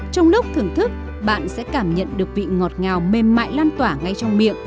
trong lúc thưởng thức bạn sẽ cảm nhận được vị ngọt ngào mềm mại lan tỏa ngay trong miệng